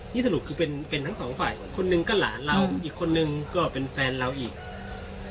นี่สรุปคือเป็นเป็นทั้งสองฝ่ายคนหนึ่งก็หลานเราอีกคนนึงก็เป็นแฟนเราอีก